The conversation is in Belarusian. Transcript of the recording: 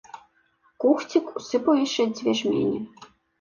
Кухцік усыпаў яшчэ дзве жмені.